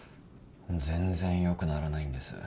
全然良くならないんです。